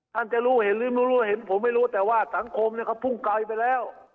ท่านจะรู้เห็นหรือไม่รู้เห็นผมไม่รู้แต่ว่าสังคมเขาพุ่งไกลไปแล้ว